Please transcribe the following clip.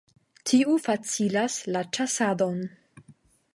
Tiu facilas la ĉasadon.